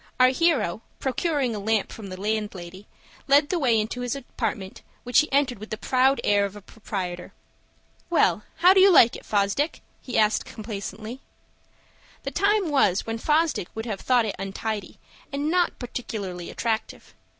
Our hero, procuring a lamp from the landlady, led the way into his apartment, which he entered with the proud air of a proprietor. "Well, how do you like it, Fosdick?" he asked, complacently. The time was when Fosdick would have thought it untidy and not particularly attractive.